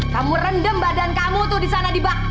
jendem badan kamu tuh disana di bak